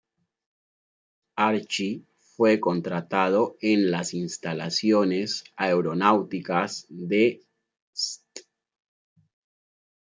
Archie fue contratado en las instalaciones aeronáuticas de St.